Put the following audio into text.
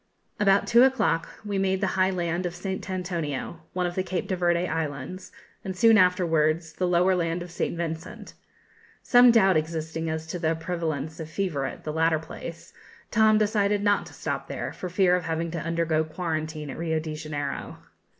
About two o'clock we made the high land of St. Antonio, one of the Cape de Verde Islands, and, soon afterwards, the lower land of St Vincent. Some doubt existing as to the prevalence of fever at the latter place, Tom decided not to stop there, for fear of having to undergo quarantine at Rio de Janeiro.